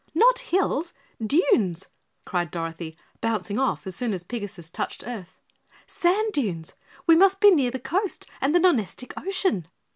"Not hills, dunes!" cried Dorothy, bouncing off as soon as Pigasus touched the earth. "Sand dunes; we must be near the coast and the Nonestic Ocean."